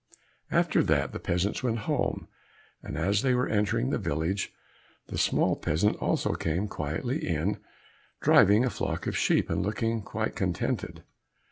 After that the peasants went home, and as they were entering the village, the small peasant also came quietly in, driving a flock of sheep and looking quite contented.